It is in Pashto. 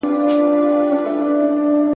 ازاد انسان باید ونه پلورل سي.